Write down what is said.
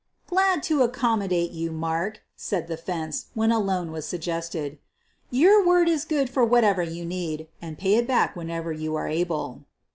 "Glad to accommodate you, Mark," said the "fence" when a loan was suggested. "Your word is good for whatever you need — and pay it back whenever you are able."